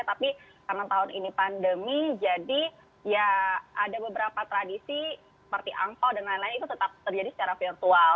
tapi karena tahun ini pandemi jadi ya ada beberapa tradisi seperti angpao dan lain lain itu tetap terjadi secara virtual